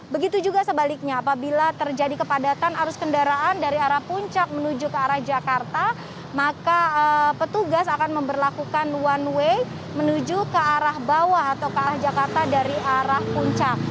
begitu juga sebaliknya apabila terjadi kepadatan arus kendaraan dari arah puncak menuju ke arah jakarta maka petugas akan memperlakukan one way menuju ke arah bawah atau ke arah jakarta dari arah puncak